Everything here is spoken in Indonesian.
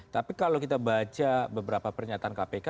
tapi kalau kita baca beberapa pernyataan kpk